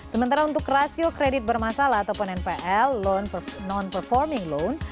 sementara untuk rasio kredit bermasalah ataupun npl non performing loan